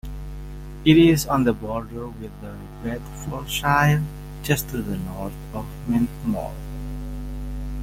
It is on the border with Bedfordshire, just to the north of Mentmore.